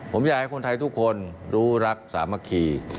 ผมอยากให้คนไทยทุกคนรู้รักสามัคคี